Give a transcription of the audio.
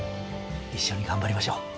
一緒に頑張りましょう。